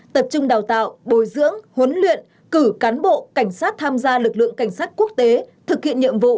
tập trung đào tạo bồi dưỡng huấn luyện cử cán bộ cảnh sát tham gia lực lượng cảnh sát quốc tế thực hiện nhiệm vụ